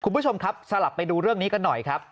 คุณผู้ชมครับสลับไปดูเรื่องนี้กันหน่อยครับ